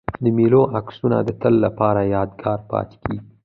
د مېلو عکسونه د تل له پاره یادګار پاته کېږي.